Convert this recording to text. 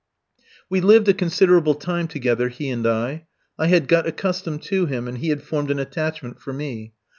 We lived a considerable time together, he and I; I had got accustomed to him, and he had formed an attachment for me.